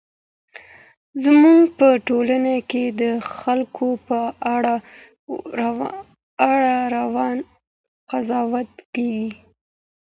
زموږ په ټولنه کي د خلګو په اړه وران قضاوت کېږي.